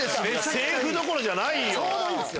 セーフどころじゃないよ。